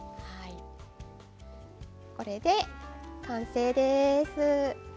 これで完成です。